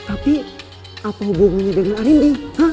tapi apa hubungannya dengan anindi